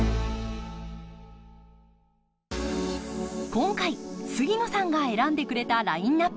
今回杉野さんが選んでくれたラインナップ。